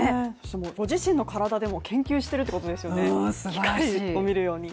ご自身の体でも研究しているということですよね、機械を見るように。